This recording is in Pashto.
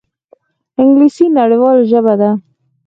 انګلیسي نړیواله ژبه ده